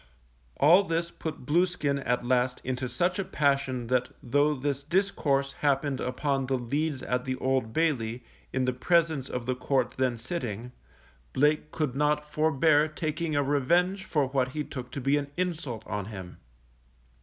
All this put Blueskin at last into such a passion that though this discourse happened upon the leads at the Old Bailey; in the presence of the Court then sitting, Blake could not forbear taking a revenge for what he took to be an insult on him.